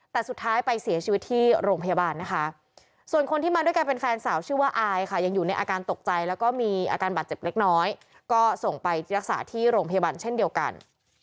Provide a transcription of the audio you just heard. แต่สุดท้ายไปเสียชีวิตที่โรงพยาบาลนะคะส่วนคนที่มาด้วยกันเป็นแฟนสาวชื่อว่าอายค่ะยังอยู่ในอาการตกใจแล้วก็มีอาการบาดเจ็บเล็กน้อยก็ส่งไปรักษาที่โรงพยาบาลเช่นเดียวกัน